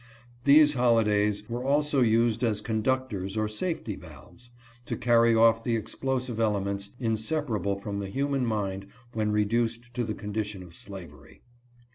These holi days were also used as conductors or safety valves, to carry off the explosive elements inseparable from the human mind when reduced to the condition of slavery.